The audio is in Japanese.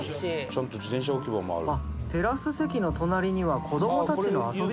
ちゃんと自転車置き場もある。